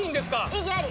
「異議あり。